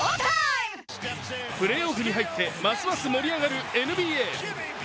プレーオフに入ってますます盛り上がるＮＢＡ。